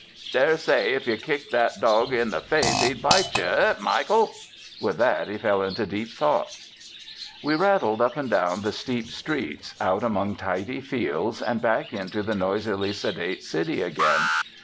"Dare say if you kicked that dawg in the face, he'd bite you. Hup, Michael!" With that he fell into deep thought. We rattled up and down the steep streets, out among tidy fields, and back into the noisily sedate city again.